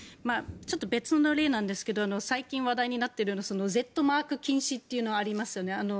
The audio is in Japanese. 別の例なんですけど最近、話題になっているＺマーク禁止というのがありますよね。